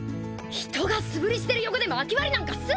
人が素振りしてる横でまき割りなんかすんな！